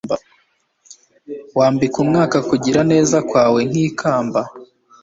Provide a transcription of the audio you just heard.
Wambika umwaka kugira neza kwawe nkikamba